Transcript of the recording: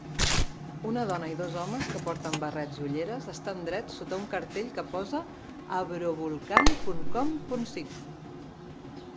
Una dona i dos homes que porten barrets i ulleres estan drets sota un cartell que posa avrovulcan.com.sign.